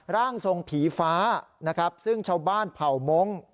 ร่างทรงผีฟ้านะครับซึ่งชาวบ้านเผ่ามงค์